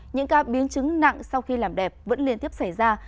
những ca biến chứng nặng sau khi làm đẹp vẫn liên tiếp xảy ra